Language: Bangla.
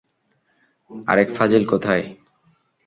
আরেক ফাজিল কোথায়?